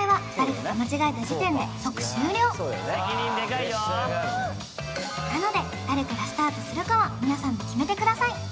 分かりました責任デカいよなので誰からスタートするかは皆さんで決めてください